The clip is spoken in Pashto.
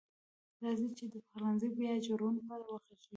راځئ چې د پخلنځي بیا جوړونې په اړه وغږیږو.